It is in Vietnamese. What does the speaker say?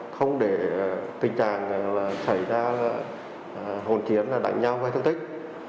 không để tình trạng xảy ra hồn chiến đánh nhau gây thương tích